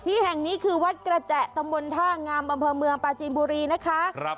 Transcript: แห่งนี้คือวัดกระแจตำบลท่างามอำเภอเมืองปาจีนบุรีนะคะ